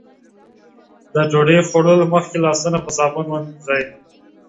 د ډوډۍ خوړلو مخکې لاسونه په صابون ومينځئ.